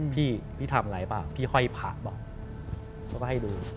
พี่ทำอะไรเปล่าพี่ห้อยภะบอกเขาก็ให้ดู